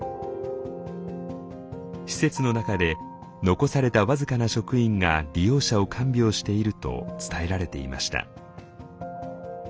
施設の中で残された僅かな職員が利用者を看病していると伝えられていました。